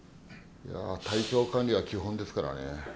いや体調管理は基本ですからね。